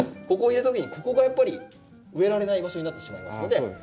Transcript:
ここを入れた時にここがやっぱり植えられない場所になってしまいますので１